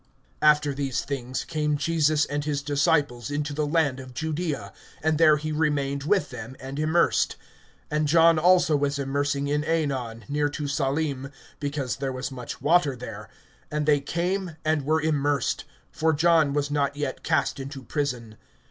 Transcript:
(22)After these things came Jesus and his disciples into the land of Judaea; and there he remained with them, and immersed. (23)And John also was immersing in Aenon near to Salim, because there was much water there; and they came, and were immersed. (24)For John was not yet cast into prison.